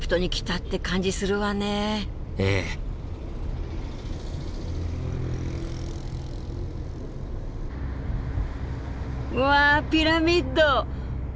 ええ。わあピラミッド！